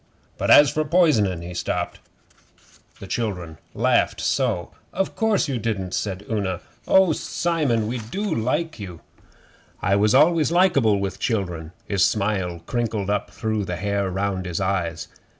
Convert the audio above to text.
But as for poisonin' ' He stopped, the children laughed so. 'Of course you didn't,' said Una. 'Oh, Simon, we do like you!' 'I was always likeable with children.' His smile crinkled up through the hair round his eyes.